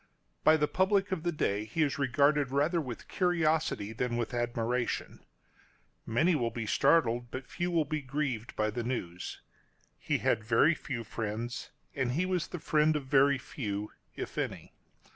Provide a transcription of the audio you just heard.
By the public of the day he is regarded rather with curiosity than with admiration. Many will be startled, but few will be grieved by the news. He had very few friends, and he was the friend of very few — if any.